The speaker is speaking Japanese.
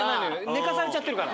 寝かされちゃってるから。